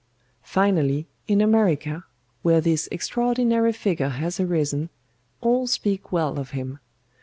Finally, in America, where this extraordinary figure has arisen, all speak well of him.